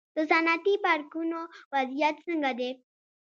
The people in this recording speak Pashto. د صنعتي پارکونو وضعیت څنګه دی؟